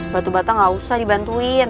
batu bata gak usah dibantuin